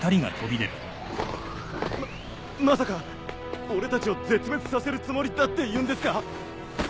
ままさか俺たちを絶滅させるつもりだっていうんですか！？